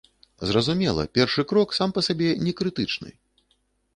Зразумела, першы крок сам па сабе некрытычны.